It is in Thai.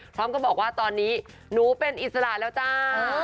พร้อมกับบอกว่าตอนนี้หนูเป็นอิสระแล้วจ้า